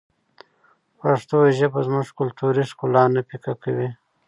پښتو ژبه زموږ کلتوري ښکلا نه پیکه کوي.